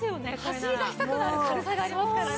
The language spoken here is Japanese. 走り出したくなる軽さがありますからね。